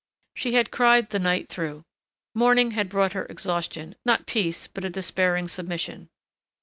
She had cried the night through. Morning had brought her exhaustion, not peace but a despairing submission.